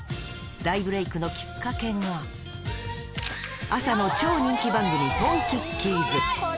大ブレイクのきっかけが、朝の超人気番組、ポンキッキーズ。